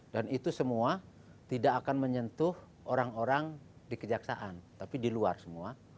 dan itu semua tidak akan menyentuh orang orang dikejaksaan tapi di luar semua